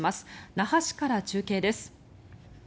那覇市から中継です。